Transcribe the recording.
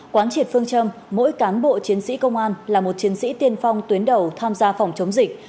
quán triệt phương châm mỗi cán bộ chiến sĩ công an là một chiến sĩ tiên phong tuyến đầu tham gia phòng chống dịch